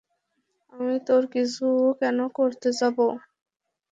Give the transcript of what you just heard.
আমি তোর কিছু কেন করতে যাবো?